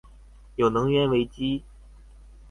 有能源危機